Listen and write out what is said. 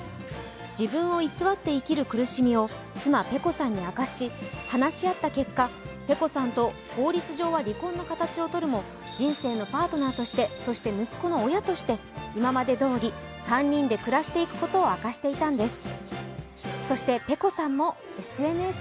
自分を偽って生きる苦しみを妻・ぺこさんに明かし、話し合った結果、ｐｅｋｏさんと法律上は離婚の形をとるも人生のパートナーとして、そして息子の親として今までどおり３人で暮らしていくことを明かしていたんです。